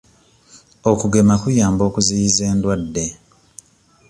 Okugema kuyamba okuziyiza endwadde.